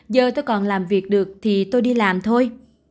giờ tôi còn làm việc được thì tôi đi làm thôi